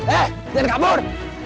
eh din kabur